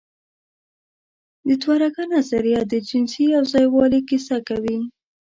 د دوهرګه نظریه د جنسي یوځای والي کیسه کوي.